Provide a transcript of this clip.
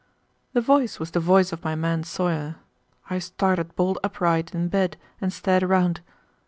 The voice was the voice of my man Sawyer. I started bolt upright in bed and stared around.